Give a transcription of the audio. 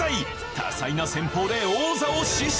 多彩な戦法で王座を死守！